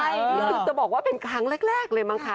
ก็จะบอกว่าเป็นครั้งแรกเลยมั้งค่ะ